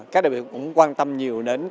các đại biểu cũng quan tâm nhiều đến